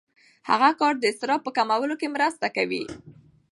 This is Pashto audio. هغه کار د اضطراب په کمولو کې مرسته کوي.